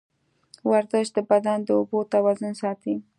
ورزش د بدن د اوبو توازن ساتي.